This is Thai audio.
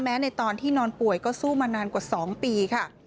ในตอนที่นอนป่วยก็สู้มานานกว่า๒ปีค่ะ